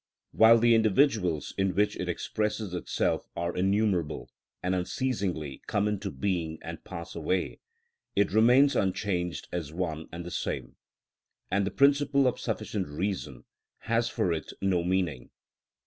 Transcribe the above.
While the individuals in which it expresses itself are innumerable, and unceasingly come into being and pass away, it remains unchanged as one and the same, and the principle of sufficient reason has for it no meaning.